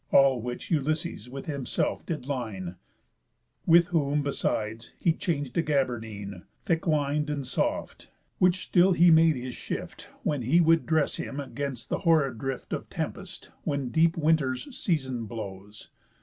All which Ulysses with himself did line, With whom; besides, he chang'd a gaberdine, Thick lin'd, and soft, which still he made his shift When he would dress him 'gainst the horrid drift Of tempest, when deep winter's season blows.